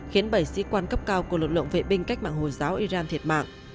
khiến bảy sĩ quan cấp cao của lực lượng vệ binh cách mạng hồi giáo iran thiệt mạng